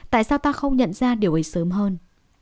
tại sao ta không nhận ra điều ấy sớm hơn